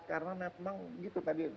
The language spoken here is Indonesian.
karena memang gitu tadi